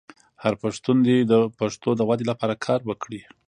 هر پښتون دې د پښتو د ودې لپاره کار وکړي.